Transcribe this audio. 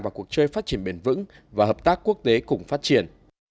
và cuộc chơi phát triển bền vững và hợp tác quốc tế cùng phát triển